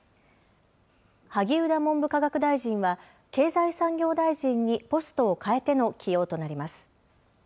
萩生田文部科学大臣は経済産業大臣にポストを変えての起用となります。